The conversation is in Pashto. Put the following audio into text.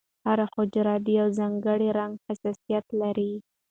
هره حجره د یو ځانګړي رنګ حساسیت لري.